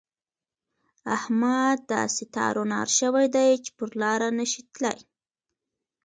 احمد داسې تار و نار شوی دی چې پر لاره نه شي تلای.